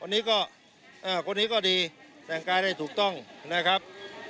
คนนี้ก็คนนี้ก็ดีแต่งกายได้ถูกต้องนะครับ